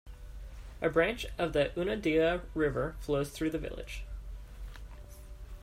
A branch of the Unadilla River flows through the village.